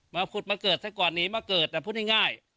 มาขุดมาเกิดซะก่อนหนีมาเกิดแต่พูดง่าย